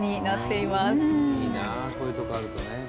いいなあこういうとこあるとね。